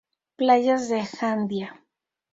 Playas de Jandía.